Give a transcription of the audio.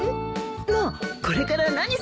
なあこれから何する？